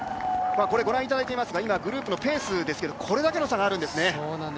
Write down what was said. ご覧いただいていますが、グループのペースですけれどもこれだけの差があるんですね。